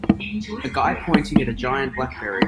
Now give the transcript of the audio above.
A guy pointing at a giant Blackberry.